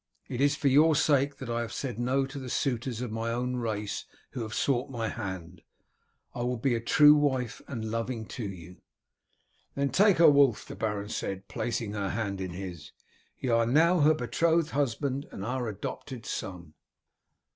It is for your sake that I have said no to the suitors of my own race who have sought my hand. I will be a true wife and loving to you." "Then take her, Wulf," the baron said, placing her hand in his. "You are now her betrothed husband and our adopted son."